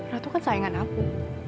ratu kan sayangan aku